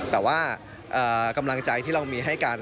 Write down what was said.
แต่ว่ากำลังใจที่เรามีให้กัน